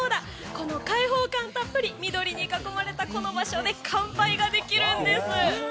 この開放感たっぷり緑に囲まれたこの場所で乾杯ができるんです。